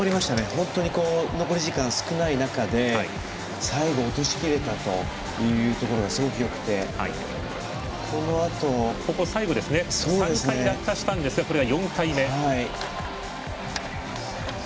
本当に残り時間少ない中で最後、落としきれたというところすごくよくて、このあと。３回落下したんですが４回目。